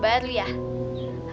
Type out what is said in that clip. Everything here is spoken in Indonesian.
bapak nggak kerja